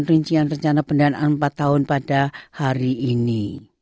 rincian rencana pendanaan empat tahun pada hari ini